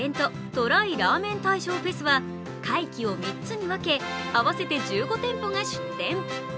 ＴＲＹラーメン大賞フェスは会期を３つに分け、合わせて１５店舗が出店。